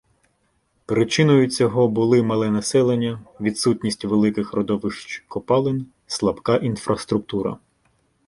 Причиною цього були мале населення, відсутність великих родовищ копалин, слабка інфраструктура.